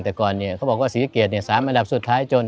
แต่ก่อนเขาบอกว่าศรีสะเกด๓อันดับสุดท้ายจน